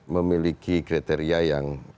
memiliki kriteria yang